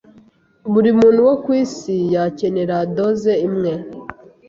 buri muntu wo ku isi yacyenera doze imwe